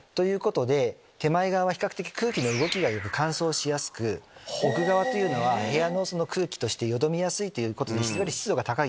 手前側は比較的空気の動きがよく乾燥しやすく奥側は部屋の空気としてよどみやすいということで非常に湿度が高い。